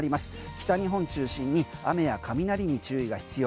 北日本中心に雨や雷に注意が必要。